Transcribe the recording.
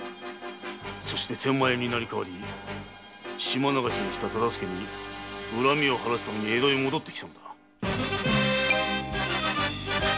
そして天満屋に成り代わり“島流し”にした忠相に恨みを晴らすために江戸へ戻ってきたのだ。